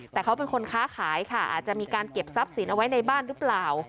แต่เขาเป็นคนค้าขายค่ะอาจจะมีการเก็บทรัพย์สินเอาไว้ในบ้านหรือเปล่า